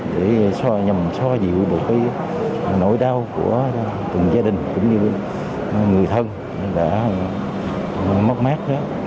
để nhằm xoa dịu một cái nỗi đau của từng gia đình cũng như người thân đã mất mát